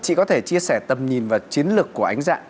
chị có thể chia sẻ tầm nhìn và chiến lược của ánh dạng